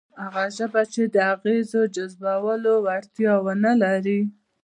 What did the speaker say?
هغه ژبه چې د اغېزو د جذبولو وړتیا ونه لري،